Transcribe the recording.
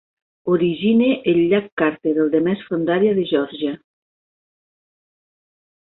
Origina el llac Carter, el de més fondària de Geòrgia.